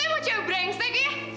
eh lu teman teman segera